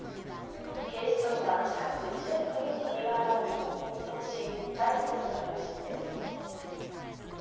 警視庁は近く、１９人の身柄を日本に移送し、逮捕する方針です。